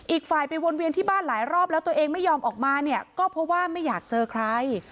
อีกฝ่ายไปวนเวียนที่บ้านหลายรอบแล้วตัวเองไม่ยอมออกมาเนี่ยก็เพราะว่าไม่อยากเจอใคร